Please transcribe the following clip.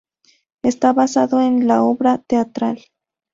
Está basada en la obra teatral.